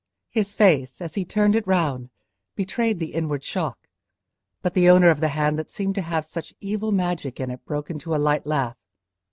His face, as he turned it round, betrayed the inward shock; but the owner of the hand that seemed to have such evil magic in it broke into a light laugh.